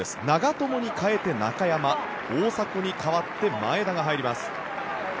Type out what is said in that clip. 長友に代えて中山大迫に代わって前田が入ります。